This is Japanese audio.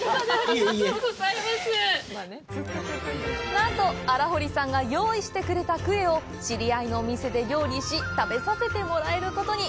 なんと、荒堀さんが用意してくれたクエを知り合いのお店で料理し食べさせてもらえることに。